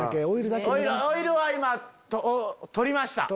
オイルは今取りました。